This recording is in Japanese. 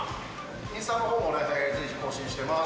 インスタのほうも随時更新しています。